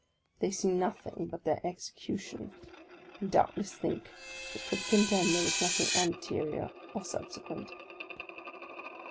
they see nothing but the execution, and doubtless think that for the condemned there is nothing anterior or subse quent